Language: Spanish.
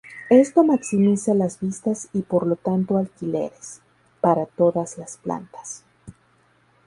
Esto maximiza las vistas y por lo tanto alquileres, para todas las plantas.